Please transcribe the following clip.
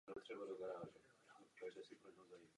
Kapela se rozhodla pro další vzájemnou spolupráci i do budoucna.